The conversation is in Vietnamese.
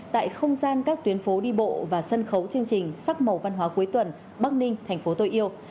tại không gian các tuyến phố đi bộ và sân khấu chương trình sắc màu văn hóa cuối tuần bắc ninh thành phố tôi yêu